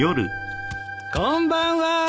こんばんは。